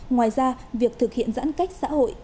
ngoài ra việc thực hiện giãn cách xã hội